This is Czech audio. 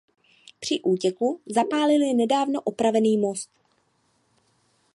Při útěku zapálili nedávno opravený most.